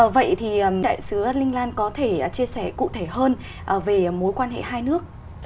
vậy thì đại sứ linh lan có thể chia sẻ cụ thể hơn về mối quan hệ hai nước